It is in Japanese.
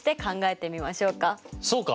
そうか！